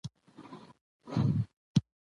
د مېلو پر وخت د خلکو ترمنځ ګډ فکر پیدا کېږي.